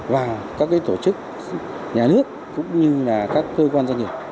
và các tổ chức nhà nước cũng như là các cơ quan doanh nghiệp